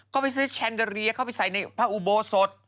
เขาไปซื้อชันเดอรี่ย้าเขาไปใส่ในพระอุโบสด